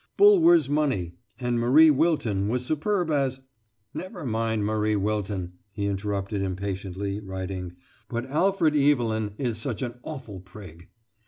"Bulwer's 'Money,' and Marie Wilton was superb as " "Never mind Marie Wilton," he interrupted impatiently, writing, "but Alfred Evelyn is such an awful prig."